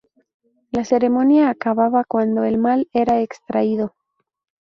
La ceremonia acababa cuando el mal era extraído.